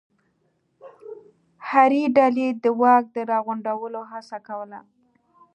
هرې ډلې د واک د راغونډولو هڅه کوله.